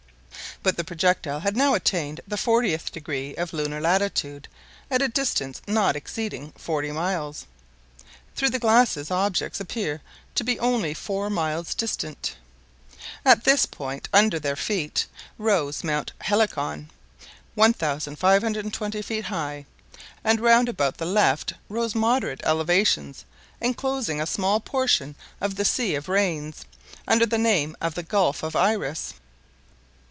But the projectile had now attained the fortieth degree of lunar latitude, at a distance not exceeding 40 miles. Through the glasses objects appeared to be only four miles distant. At this point, under their feet, rose Mount Helicon, 1,520 feet high, and round about the left rose moderate elevations, enclosing a small portion of the "Sea of Rains," under the name of the Gulf of Iris.